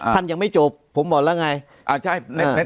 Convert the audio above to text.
ท่านยังไม่จบผมบอกแล้วไง